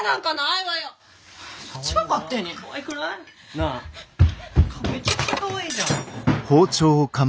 なあめちゃくちゃかわいいじゃん。